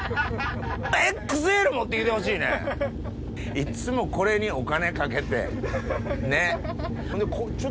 いっつもこれにお金かけてねっ。